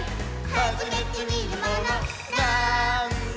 「はじめてみるものなぁーんだ？